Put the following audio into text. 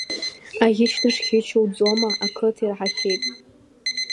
Аӷьыч дышӷьычу уӡома, ақыҭа ираҳахьеит.